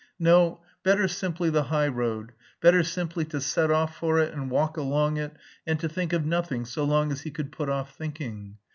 No, better simply the high road, better simply to set off for it, and walk along it and to think of nothing so long as he could put off thinking.